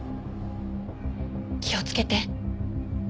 気をつけて。